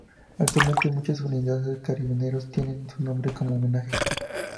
Actualmente muchas unidades de Carabineros tienen su nombre como homenaje.